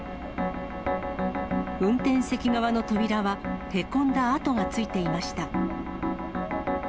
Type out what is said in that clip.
運転席側の扉はへこんだ跡がついていました。